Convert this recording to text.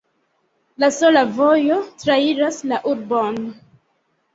La sola vojo trairas la urbon.